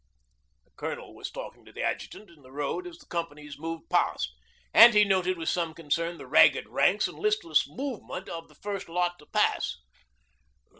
The colonel was talking to the adjutant in the road as the companies moved past, and he noted with some concern the ragged ranks and listless movement of the first lot to pass.